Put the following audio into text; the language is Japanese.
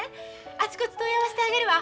あちこち問い合わせてあげるわ。